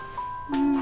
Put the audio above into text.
うん。